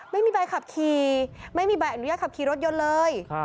ไม่มีใบขับขี่ไม่มีใบอนุญาตขับขี่รถยนต์เลย